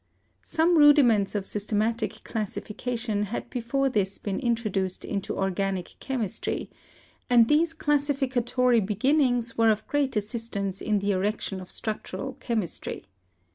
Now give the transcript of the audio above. Some rudiments of systematic classification had before this been introduced into organic chemistry, and these classificatory beginnings were of great assistance in the erection of structural chemistry.